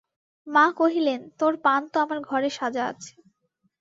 মা কহিলেন, তোর পান তো আমার ঘরে সাজা আছে।